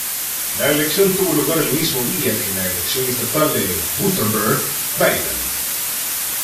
La elección tuvo lugar el mismo día que la elección estatal de Württemberg-Baden.